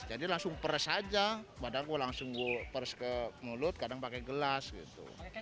jadi langsung pers aja padahal gue langsung pers ke mulut kadang pakai gelas gitu